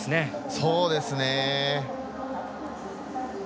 そうですね。